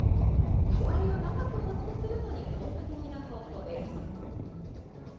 野菜を長く保存するのに効果的な方法です。